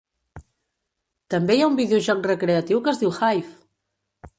També hi ha un videojoc recreatiu que es diu Hive!